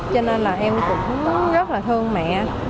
cho nên là em cũng rất là thương mẹ